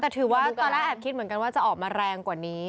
แต่ถือว่าตอนแรกแอบคิดเหมือนกันว่าจะออกมาแรงกว่านี้